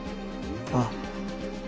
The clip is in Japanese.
ああ。